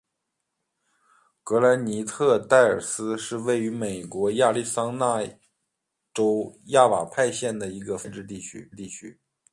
格兰尼特戴尔斯是位于美国亚利桑那州亚瓦派县的一个非建制地区。